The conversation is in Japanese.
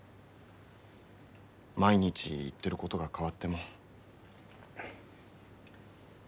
毎日言ってることが変わっても。